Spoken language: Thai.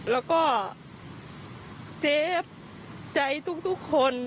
แล้วก็เจฟใจทุกคน